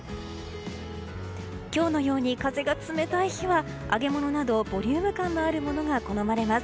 今日のように風が冷たい日は揚げ物などボリューム感があるものが好まれます。